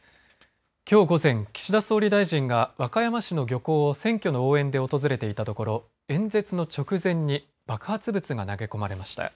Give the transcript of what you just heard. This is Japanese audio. きょう午前岸田総理大臣が和歌山市の漁港を選挙の応援で訪れていたところ演説の直前に爆発物が投げ込まれました。